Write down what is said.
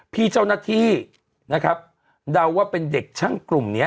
พี่เจ้าหน้าที่นะครับเดาว่าเป็นเด็กช่างกลุ่มนี้